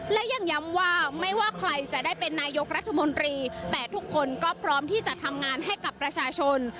และยังย้ำว่าไม่ว่าใครจะได้เป็นนายกรัฐมนตรีแต่ทุกคนก็พร้อมที่จะทำงานให้กับประชาชน